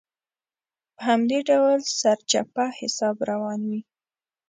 په همدې ډول سرچپه حساب روان وي.